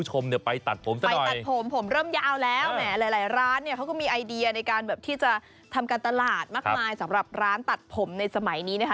ไปตัดผมผมเริ่มยาวแล้วแหมหลายร้านเนี่ยเขาก็มีไอเดียในการแบบที่จะทำการตลาดมากมายสำหรับร้านตัดผมในสมัยนี้นะคะ